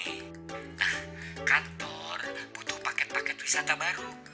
nah kantor butuh paket paket wisata baru